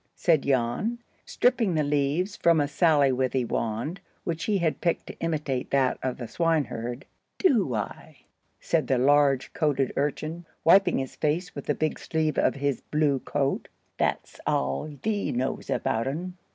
said Jan, stripping the leaves from a sallywithy wand, which he had picked to imitate that of the swineherd. "Do I?" said the large coated urchin, wiping his face with the big sleeve of his blue coat. "That's aal thee knows about un.